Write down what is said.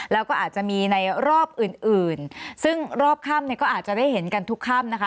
แล้วก็อาจจะมีในรอบอื่นซึ่งรอบข้ำก็อาจจะได้เห็นกันทุกข้ำนะคะ